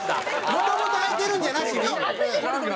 もともと空いてるんじゃなしに？